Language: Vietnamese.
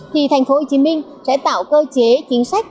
thì thành phố hồ chí minh sẽ tạo cơ chế chính sách